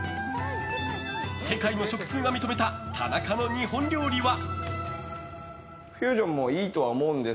世界の食通が認めた田中の日本料理は。